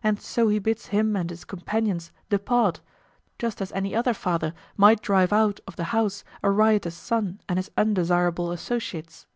And so he bids him and his companions depart, just as any other father might drive out of the house a riotous son and his undesirable associates.